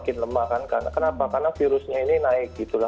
karena virusnya ini naik gitu lah